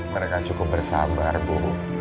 mereka cukup bersabar bu